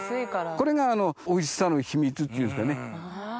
これがおいしさの秘密っていうんですかね。